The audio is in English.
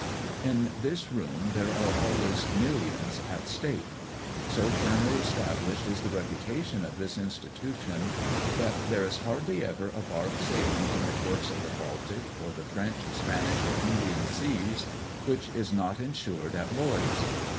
In this room there are always millions at stake. So firmly established is the reputation of this institution, that there is hardly ever a barque sailing from the ports of the Baltic, or the French, Spanish, or Indian seas which is not insured at Lloyd's.